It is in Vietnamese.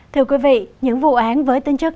thưa quý vị những vụ án với tinh chất